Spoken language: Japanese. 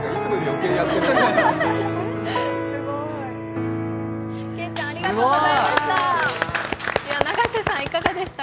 けいちゃん、ありがとうございました。